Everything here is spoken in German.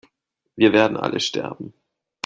Wir werden alle sterben!